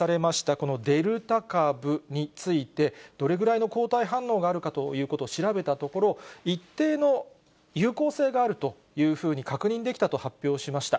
このデルタ株について、どれぐらいの抗体反応があるかということを調べたところ、一定の有効性があるというふうに確認できたと発表しました。